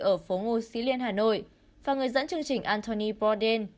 ở phố ngô sĩ liên hà nội và người dẫn chương trình anthony boden